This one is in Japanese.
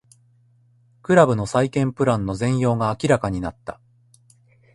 クラブの再建プランの全容が明らかになった